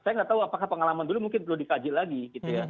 saya nggak tahu apakah pengalaman dulu mungkin perlu dikaji lagi gitu ya